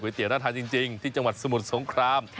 เตี๋ยน่าทานจริงที่จังหวัดสมุทรสงคราม